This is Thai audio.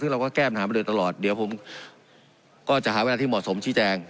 ซึ่งเราก็แก้ปัญหามาโดยตลอดเดี๋ยวผมก็จะหาเวลาที่เหมาะสมชี้แจง